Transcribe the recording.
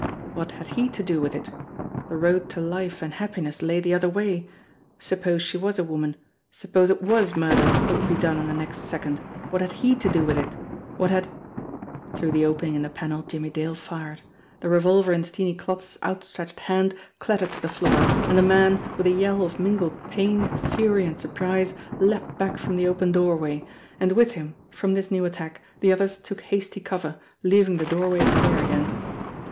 What had he to do with it? The road to life and happiness lay the other way. Suppose she was a woman, suppose it was murder that would be done in the next second, what had he to do with it! What had Through the opening in the panel Jimmie Dale fired. Thj BLIND PETERS 295 revolver in Steenie Klotz's outstretched hand clattered to the floor. >.nd the man with a yell of mingled pain, fury and surprise leaped back :rom the open doorway and with him, from this new attack, the others took hasty cover, leaving the doorway clear again.